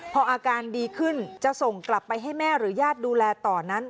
พออาการดีขึ้นจะส่งกลับไปให้แม่หรือญาติดูแลต่อนั้น